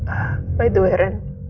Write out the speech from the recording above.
apa itu ren